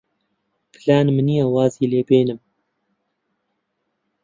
پلانم نییە وازی لێ بێنم.